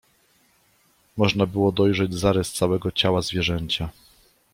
można było dojrzeć zarys całego ciała zwierzęcia.